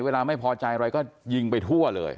เวลาไม่พอใจอะไรก็ยิงไปทั่วเลย